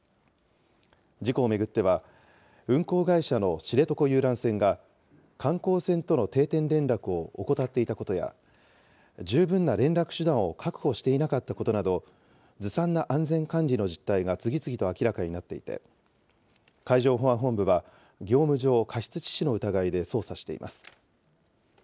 事故を巡っては、運航会社の知床遊覧船が、観光船との定点連絡を怠っていたことや十分な連絡手段を確保していなかったことなど、ずさんな安全管理の実態が次々と明らかになっていて、海上保安本部は、業務上過失致死の疑いで捜査しています。